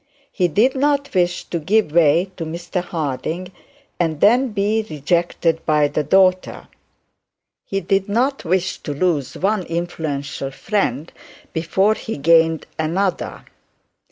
He did not wish to give way to Mr Harding, and then be rejected by the daughter. He did not wish to lose one influential friend before he had gained another.